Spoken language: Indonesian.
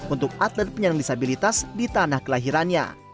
untuk atlet penyandang disabilitas di tanah kelahirannya